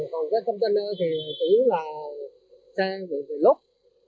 còn xe container thì chỉ là xe về lốt